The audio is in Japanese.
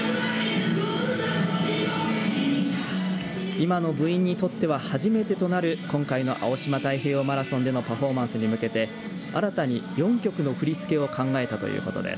今の部員にとっては初めてとなる今回の青島太平洋マラソンでのパフォーマンスに向けて新たに４曲の振り付けを考えたということです。